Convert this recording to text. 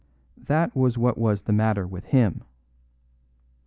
That was what was the matter with him.